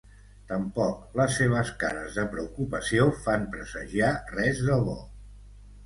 Tampoc les seves cares de preocupació fan presagiar res de bo.